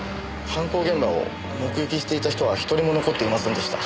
犯行現場を目撃していた人は１人も残っていませんでした。